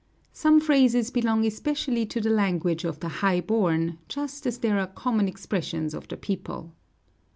Some phrases belong especially to the language of the high born, just as there are common expressions of the people.